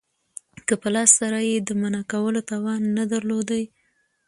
که په لاس سره ئې د منعه کولو توان نه درلودي